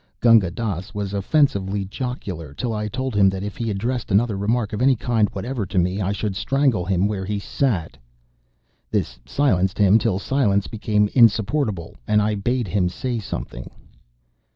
Gunga Dass was offensively jocular till I told him that if he addressed another remark of any kind whatever to me I should strangle him where he sat. This silenced him till silence became insupportable, and I bade him say something.